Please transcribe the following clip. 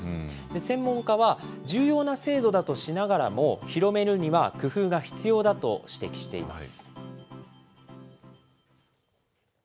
専門家は、重要な制度だとしながらも、広めるには工夫が必要だと指摘しています。